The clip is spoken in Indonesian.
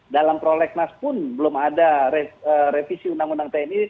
dalam prolegnas pun belum ada revisi undang undang tni